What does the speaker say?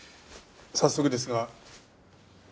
早速ですが。